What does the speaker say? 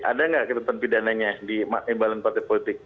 ada nggak ketentuan pidananya di embalan partai politik